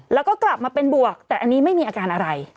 แล้วก็กลับมาเป็นบวกแต่อันนี้ไม่มีอาการอะไร